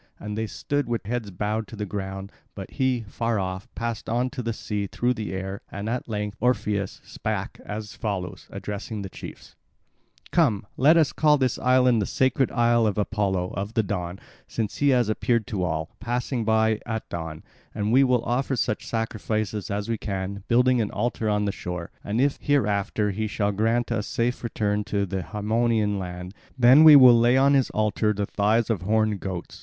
And they stood with heads bowed to the ground; but he, far off, passed on to the sea through the air; and at length Orpheus spake as follows, addressing the chiefs: "Come, let us call this island the sacred isle of Apollo of the Dawn since he has appeared to all, passing by at dawn; and we will offer such sacrifices as we can, building an altar on the shore; and if hereafter he shall grant us a safe return to the Haemonian land, then will we lay on his altar the thighs of horned goats.